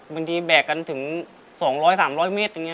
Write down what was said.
แบกกันถึง๒๐๐๓๐๐เมตรอย่างนี้